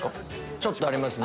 ちょっとありますね。